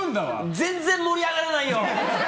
全然盛り上がらないよ！